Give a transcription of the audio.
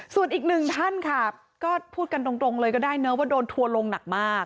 ส่วนอีกหนึ่งท่านค่ะก็พูดกันตรงเลยก็ได้เนอะว่าโดนทัวร์ลงหนักมาก